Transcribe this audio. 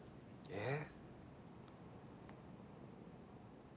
えっ？